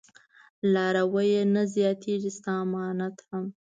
لارويه نه زياتېږي ستا امت هم